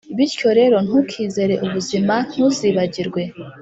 bityo rero ntukizere ubuzima ntuzibagirwe